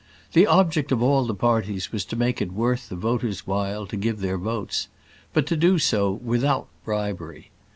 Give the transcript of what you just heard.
The object of all the parties was to make it worth the voters' while to give their votes; but to do so without bribery.